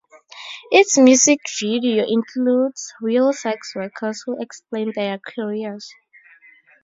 Its music video includes real sex workers who explain their careers.